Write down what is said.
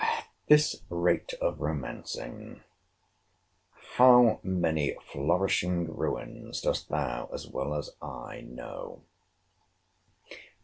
At this rate of romancing, how many flourishing ruins dost thou, as well as I, know?